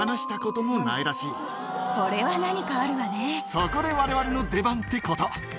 そこでわれわれの出番ってこと。